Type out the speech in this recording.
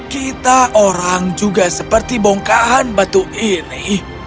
kita orang juga seperti bongkahan batu ini